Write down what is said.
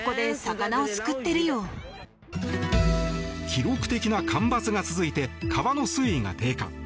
記録的な干ばつが続いて川の水位が低下。